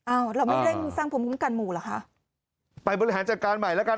อ้าวเราไม่เร่งสร้างภูมิคุ้มกันหมู่เหรอคะไปบริหารจัดการใหม่แล้วกัน